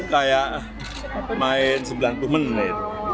kayak main sembilan puluh menit